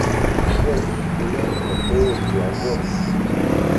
Огонь! Стреляйте, олухи, огонь!